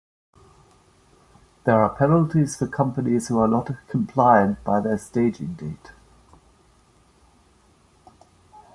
There are penalties for companies who are not compliant by their staging date.